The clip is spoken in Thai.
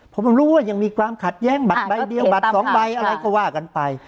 ผมรู้ว่ายังมีความขัดแย้งบัตรใบเดียวบัตรสองใบอะไรก็ว่ากันไป